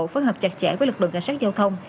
phối hợp chặt chẽ với lực lượng cảnh sát giao thông